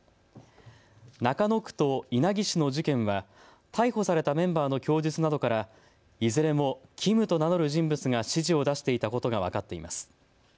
中野区と稲城市の事件は逮捕されたメンバーの供述などからいずれもキムと名乗る人物が指示を出していたことが分かっています。